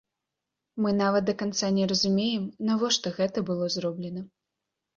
Мы нават да канца не разумеем, навошта гэта было зроблена.